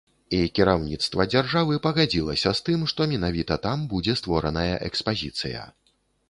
І кіраўніцтва дзяржавы пагадзілася з тым, што менавіта там будзе створаная экспазіцыя.